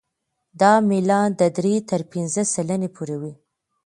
دا میلان د درې تر پنځه سلنې پورې وي